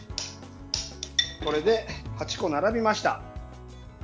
これで８個、並びました。